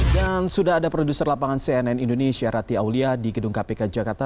dan sudah ada produser lapangan cnn indonesia rati aulia di gedung kpk jakarta